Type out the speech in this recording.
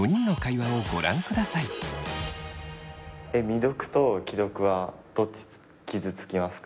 未読と既読はどっち傷つきますか？